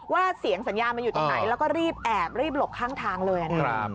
ว่าเสียงสัญญามันอยู่ตรงไหนแล้วก็รีบแอบรีบหลบข้างทางเลยนะครับ